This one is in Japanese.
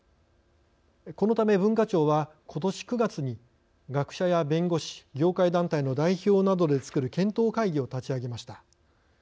このため、文化庁はことし９月に、学者や弁護士業界団体の代表などで作る検討会議を立ち上げました。